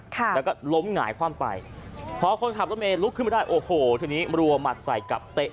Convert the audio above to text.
ค่ะแล้วก็ล้มหงายความไปพอคนขับรถเมย์ลุกขึ้นมาได้โอ้โหทีนี้รัวหมัดใส่กับเตะ